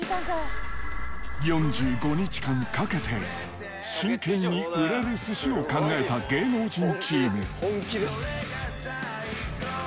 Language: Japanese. ４５日間かけて、真剣に売れる寿司を考えた芸能人チーム。